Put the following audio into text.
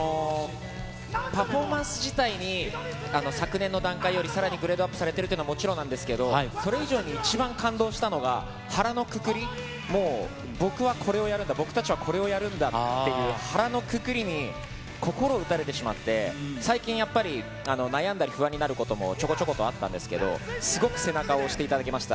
パフォーマンス自体に昨年の段階よりさらにグレードアップされているというのは、もちろんなんですけど、それ以上に一番感動したのが、腹のくくり、もう僕はこれをやるんだ、僕たちはこれをやるんだっていう腹のくくりに、心を打たれてしまって、最近やっぱり、悩んだり不安になることもちょこちょことあったんですけど、すごく背中を押していただきました。